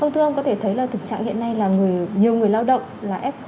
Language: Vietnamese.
thưa ông có thể thấy là thực trạng hiện nay là nhiều người lao động f